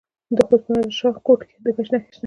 د خوست په نادر شاه کوټ کې د ګچ نښې شته.